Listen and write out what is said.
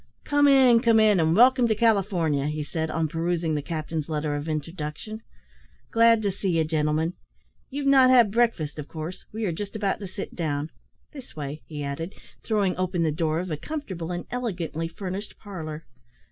"Come in, come in, and welcome to California," he said, on perusing the captain's letter of introduction. "Glad to see you, gentlemen. You've not had breakfast, of course; we are just about to sit down. This way," he added, throwing open the door of a comfortable and elegantly furnished parlour.